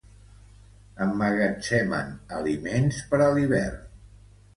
Emmagatzemen aliments per a l'hivern.